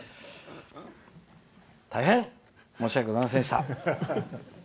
大変申し訳ございませんでした。